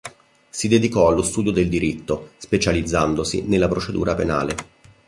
Si dedicò allo studio del diritto specializzandosi nella procedura penale.